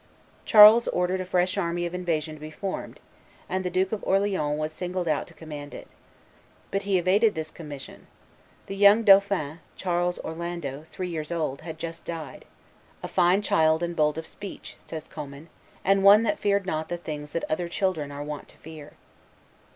Charles ordered a fresh army of invasion to be formed, and the Duke of Orleans was singled out to command it; but he evaded this commission. The young dauphin, Charles Orlando, three years old, had just died, "a fine child and bold of speech," says Commynes, "and one that feared not the things that other children are wont to fear."